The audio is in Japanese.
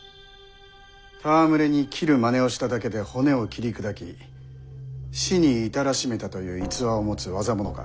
戯れに斬るまねをしただけで骨を斬り砕き死に至らしめたという逸話を持つ業物か。